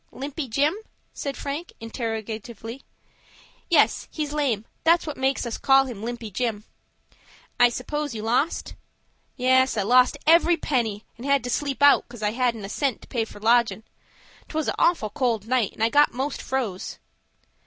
"Limpy Jim?" said Frank, interrogatively. "Yes, he's lame; that's what makes us call him Limpy Jim." "I suppose you lost?" "Yes, I lost every penny, and had to sleep out, cos I hadn't a cent to pay for lodgin'. 'Twas a awful cold night, and I got most froze."